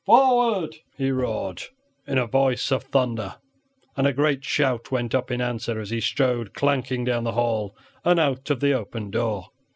"Forward!" he roared, in a voice of thunder, and a great shout went up in answer as he strode clanking down the hall and out of the open door.